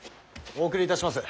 お送りいたします。